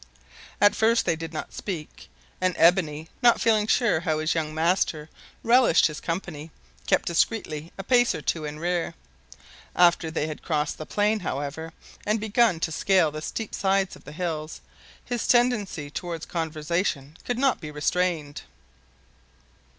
At first they did not speak, and Ebony, not feeling sure how his young master relished his company, kept discreetly a pace or two in rear. After they had crossed the plain, however, and begun to scale the steep sides of the hills, his tendency towards conversation could not be restrained.